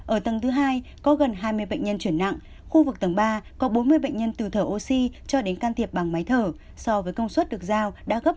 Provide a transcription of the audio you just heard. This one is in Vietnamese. ở tầng thứ hai có gần hai mươi bệnh nhân chuyển nặng khu vực tầng ba có bốn mươi bệnh nhân từ thở oxy cho đến can thiệp bằng máy thở so với công suất được giao đã gấp